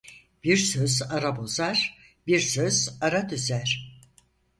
Bir söz ara bozar, bir söz ara düzer.